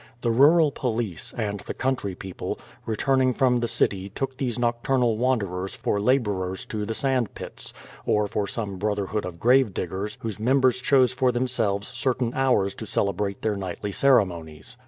The rural police, and the country people, return ing from the city took these nocturnal wanderers for laborers to the sand pits; or for some brotherhood of gravediggers whose members chose for themselves certain hours to cele brate their nightly ceremonies.